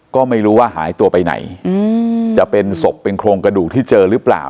ก็ไม่รู้ว่าหายตัวไปไหนจะเป็นศพเป็นโครงกระดูกที่เจอหรือเปล่า